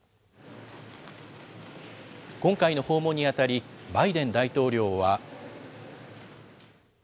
今回の訪問にあたり、バイデン大統領は。